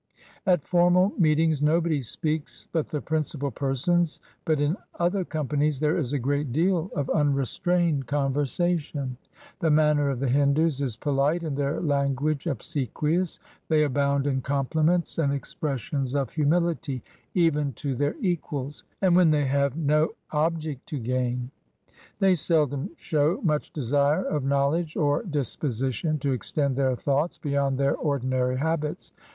At formal meetings nobody speaks but the principal persons, but in other companies there is a great deal of unrestrained conversation. The manner of the Hindus is poHte, and their language obsequious. They abound in compliments and expressions of humility, even to their equals, and when they have no object to gain. They seldom show much desire of knowledge or dispo sition to extend their thoughts beyond their ordinary habits.